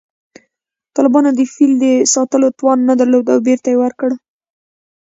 طالبانو د فیل د ساتلو توان نه درلود او بېرته یې ورکړ